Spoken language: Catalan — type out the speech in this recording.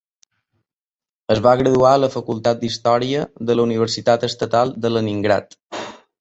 Es va graduar a la Facultat d'Història de la Universitat Estatal de Leningrad.